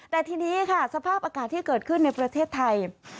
แต่ทีนี้ค่ะสภาพอากาศที่เกิดขึ้นในประเทศไทย